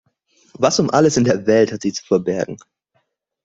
Was um alles in der Welt hat sie zu verbergen?